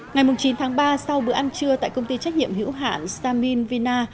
ngày chín tháng ba sau bữa ăn trưa tại công ty trách nhiệm hữu hạn stamin vina